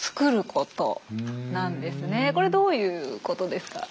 これどういうことですか？